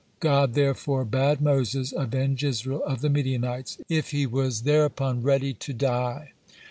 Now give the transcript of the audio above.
God therefore bade Moses avenge Israel of the Midianites, if he was thereupon ready to die.